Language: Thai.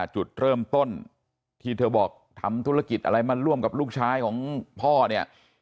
จุดเริ่มต้นที่เธอบอกทำธุรกิจอะไรมาร่วมกับลูกชายของพ่อเนี่ย